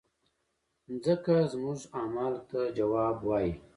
مځکه زموږ اعمالو ته ځواب وایي.